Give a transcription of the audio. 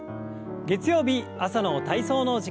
月曜日朝の体操の時間です。